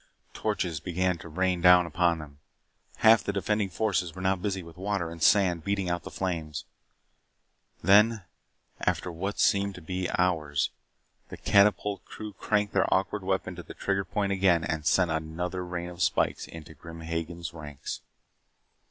Torches began to rain down upon them. Half the defending forces were now busy with water and sand, beating out the flames. Then, after what seemed to be hours, the catapult crew cranked their awkward weapon to the trigger point again and sent another rain of spikes into Grim Hagen's ranks.